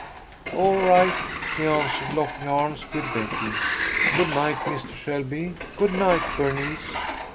"All right," she answered, locking arms with Betty. "Good night, Mistah Shelby. Good night, Bernice."